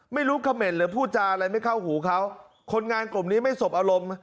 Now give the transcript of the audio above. ไม่รู้เขม่นหรือพูดจาอะไรไม่เข้าหูเขาคนงานกลุ่มนี้ไม่สบอารมณ์